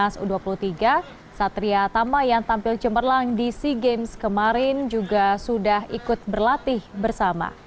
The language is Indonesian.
satria tama yang tampil cemerlang di sea games kemarin juga sudah ikut berlatih bersama